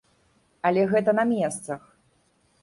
Але гэта на месцах.